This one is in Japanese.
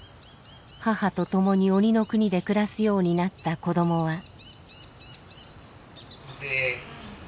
母と共に鬼の国で暮らすようになった子どもは。